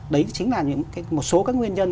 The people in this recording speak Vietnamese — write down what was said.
đấy chính là một số các nguyên nhân